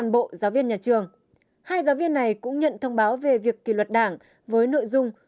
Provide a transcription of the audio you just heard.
hai bộ giáo viên nhà trường hai giáo viên này cũng nhận thông báo về việc kỳ luật đảng với nội dung